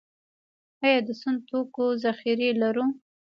آیا د سون توکو ذخیرې لرو؟